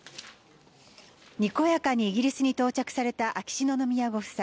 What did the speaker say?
にこやかにイギリスに到着された秋篠宮ご夫妻。